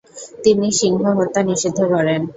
তিনি সিংহ হত্যা নিষিদ্ধ করেন।